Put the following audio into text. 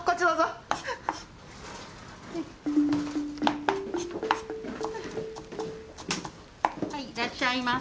はい。